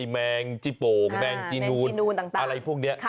แมงจิโปมแมงจินูนอะไรพวกนี้